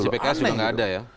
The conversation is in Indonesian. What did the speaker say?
kondisi pks juga tidak ada ya